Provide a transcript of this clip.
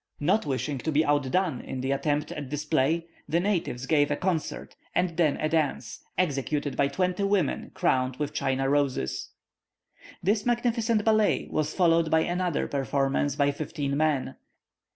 Not wishing to be out done in the attempt at display, the natives gave a concert, and then a dance, executed by twenty women crowned with China roses. This magnificent ballet was followed by another performance by fifteen men.